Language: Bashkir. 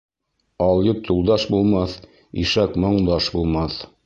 Алйот юлдаш булмаҫ, ишәк моңдаш булмаҫ.